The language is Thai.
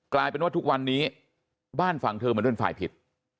กลายเป็นว่าทุกวันนี้บ้านฝั่งเธอเหมือนเป็นฝ่ายผิด